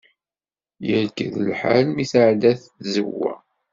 Yerked lḥal mi tɛedda tzawwa.